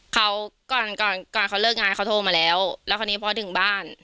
เขาก่อนก่อนเขาเลิกงานเขาโทรมาแล้วแล้วคราวนี้พอถึงบ้าน